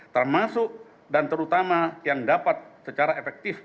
termasuk dan terutama yang dapat secara efektif